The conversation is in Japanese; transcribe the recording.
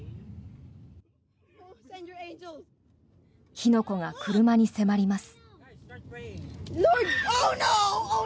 火の粉が車に迫ります。